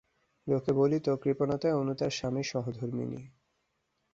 লোকে বলিত, কৃপণতায় অনু তার স্বামীর সহধর্মিণী।